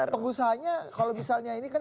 pengusahanya kalau misalnya ini kan